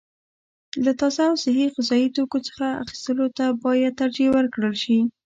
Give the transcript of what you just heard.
له تازه او صحي غذايي توکو څخه اخیستلو ته باید ترجیح ورکړل شي.